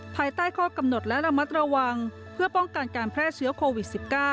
ภายใต้ข้อกำหนดและระมัดระวังเพื่อป้องกันการแพร่เชื้อโควิด๑๙